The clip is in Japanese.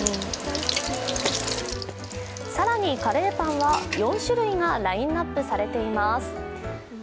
更に、カレーパンは４種類がラインナップされています。